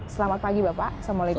selamat pagi bapak assalamualaikum